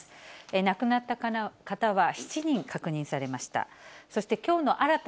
亡くなった方は７人確認されました。